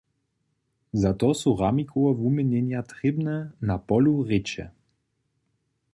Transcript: Za to su ramikowe wuměnjenja trěbne na polu rěče.